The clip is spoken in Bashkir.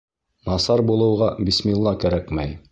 Насар булыуға бисмилла кәрәкмәй.